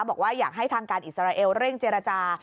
บอกว่าอยากให้ทางการอิสราเอลเร่งเจรจา